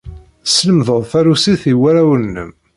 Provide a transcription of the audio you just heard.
Teslemdeḍ tarusit i warraw-nnem.